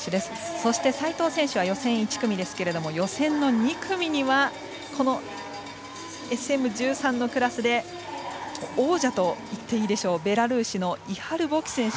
そして齋藤選手は予選１組ですが予選の２組にはこのＳＭ１３のクラスで王者といっていいでしょうベラルーシのイハル・ボキ選手。